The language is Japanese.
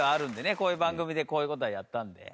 こういう番組でこういう事はやったんで。